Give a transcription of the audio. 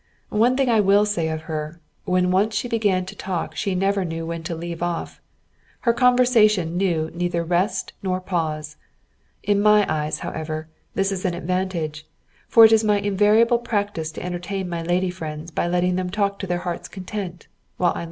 One thing I will say of her: when once she began to talk she never knew when to leave off. Her conversation knew neither rest nor pause. In my eyes, however, this is an advantage, for it is my invariable practice to entertain my lady friends by letting them talk to their hearts' content, while I listen.